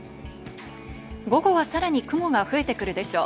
午後はさらに雲が増えてくるでしょう。